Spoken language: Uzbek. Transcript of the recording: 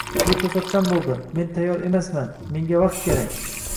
- Bu to'satdan bo'ldi, men tayyor emasman, menga vaqt kerak!